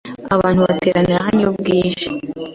Abantu bateranira hano iyo bwije.